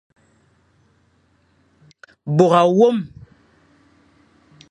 Bôr awôm.